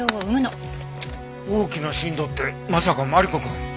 大きな振動ってまさかマリコくん。